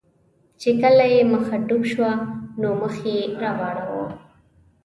چې کله یې مخه ډب شوه، نو مخ یې را واړاوه.